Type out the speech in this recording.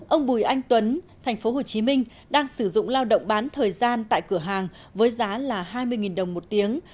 ông bùi anh tuấn tp hcm đang sử dụng lao động bán thời gian tại cửa hàng với giá là hai mươi đồng một tiếng